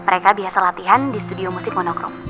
mereka biasa latihan di studio musik monokro